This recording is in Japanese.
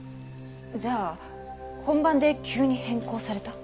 じゃあ本番で急に変更された？